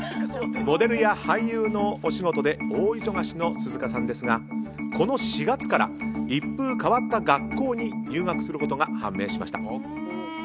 モデルや俳優のお仕事で大忙しの鈴鹿さんですがこの４月から一風変わった学校に入学することが判明しました。